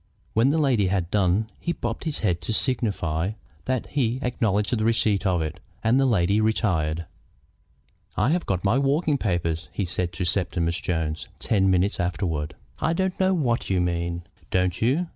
When the lady had done he bobbed his head to signify that he acknowledged the receipt of it, and the lady retired. "I have got my walking papers," he said to Septimus Jones ten minutes afterward. "I don't know what you mean." "Don't you?